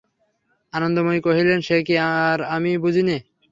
আনন্দময়ী কহিলেন, সে কি আর আমি বুঝি নে।